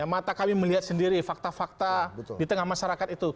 mata kami melihat sendiri fakta fakta di tengah masyarakat itu